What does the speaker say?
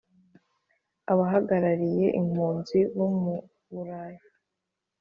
abahagarariye impunzi bo mu buraya